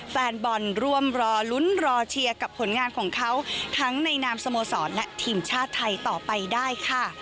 แฟนบอลร่วมรอลุ้นรอเชียร์กับผลงานของเขาทั้งในนามสโมสรและทีมชาติไทยต่อไปได้ค่ะ